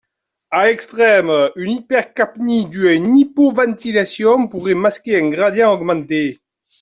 À l’extrême, une hypercapnie due à une hypoventilation pourrait masquer un gradient augmenté.